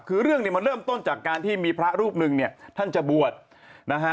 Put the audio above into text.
คือเรื่องนี้มองด้วยมันเริ่มต้นจากการที่มีพระรูปนึงท่านภิกษาบวช